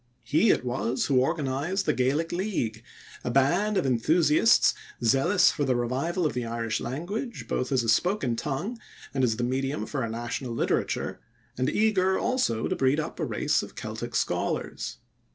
He it was who organized the Gaelic League, a band of enthusiasts zealous for the revival of the Irish language both as a spoken tongue and as the medium for a national literature, and eager, also, to breed up a race of Celtic scholars.